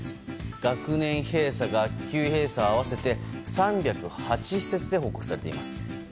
学年閉鎖・学級閉鎖合わせて３０８施設で報告されています。